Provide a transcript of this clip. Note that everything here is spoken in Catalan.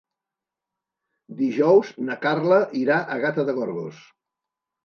Dijous na Carla irà a Gata de Gorgos.